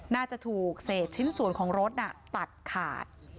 น่าจะถูกเศษชิ้นส่วนของรถตัดขาด